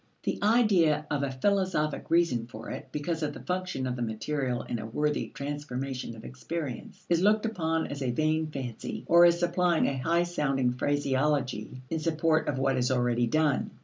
The idea of a philosophic reason for it, because of the function of the material in a worthy transformation of experience, is looked upon as a vain fancy, or as supplying a high sounding phraseology in support of what is already done.